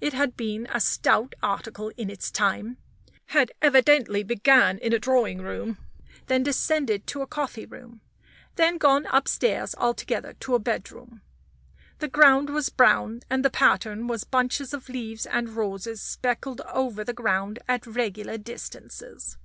It had been a stout article in its time, had evidently began in a drawing room; then descended to a coffee room; then gone upstairs altogether to a bedroom. The ground was brown, and the pattern was bunches of leaves and roses speckled over the ground at regular distances.